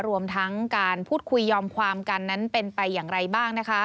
รวมทั้งการพูดคุยยอมความกันนั้นเป็นไปอย่างไรบ้างนะคะ